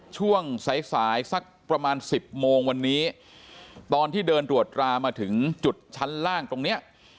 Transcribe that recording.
ช่วงสายสายสักประมาณสิบโมงวันนี้ตอนที่เดินตรวจรามาถึงจุดชั้นล่างตรงเนี้ย